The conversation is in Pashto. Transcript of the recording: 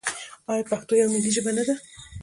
آیا پښتو یوه ملي ژبه نه ده؟